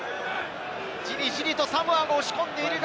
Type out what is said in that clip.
じりじりとサモアが押し込んでいるが。